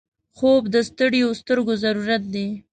خوب د ستړیو سترګو ضرورت دی